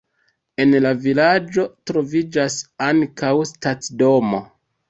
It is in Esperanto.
En la vilaĝo troviĝas ankaŭ stacidomo.